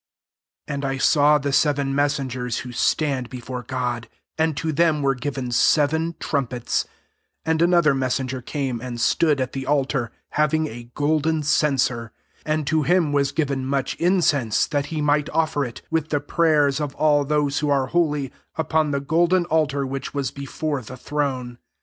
2 And I saw the seven messen gers who stand before God: and to them were given seven trumpets* 3 And another mes* senger came and stood at the altar, having a golden censer : aud to him was given much incense, that he might offer tV, with the prayers of all those who are holy, upon the golden altar which wa« before the throne.